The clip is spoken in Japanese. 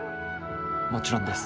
もちろんです。